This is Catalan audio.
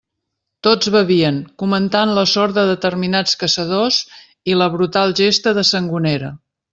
Tots bevien, comentant la sort de determinats caçadors i la brutal gesta de Sangonera.